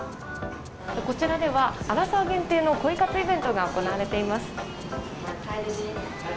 こちらではアラサー限定の恋活イベントが行われています。